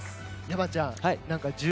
山ちゃん